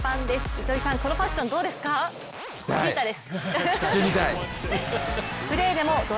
糸井さん、このファッションどうですか、ベジータです。